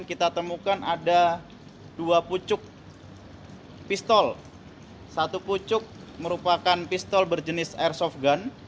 kita temukan ada dua pucuk pistol satu pucuk merupakan pistol berjenis airsoft gun